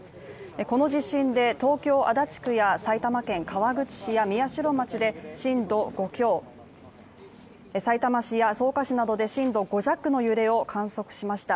この地震で東京・足立区や埼玉県川口市や宮代町で震度５強、さいたま市や草加市などで震度５弱の揺れを観測しました。